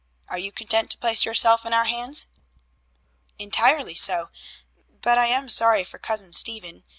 Are you content to place yourself in our hands?" "Entirely so. But I am sorry for Cousin Stephen.